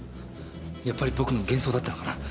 やっぱり僕の幻想だったのかな？